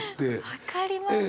分かります。